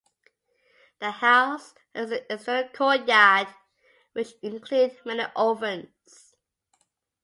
The house has an external courtyard which include many ovens.